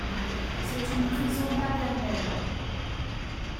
C'est une prison paternelle.